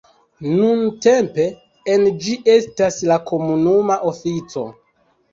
Nuntempe en ĝi estas la komunuma ofico.